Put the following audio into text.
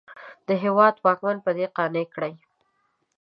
د هېواد واکمن په دې قانع کړي.